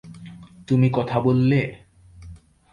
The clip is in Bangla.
তুমি কথা বললে!